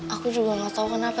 aku juga gak tahu kenapa